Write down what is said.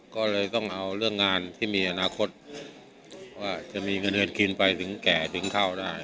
ก็เลยต้องเอาเรื่องงานที่มีอนาคตว่าจะมีเงินเดือนกินไปถึงแก่ถึงเข้าได้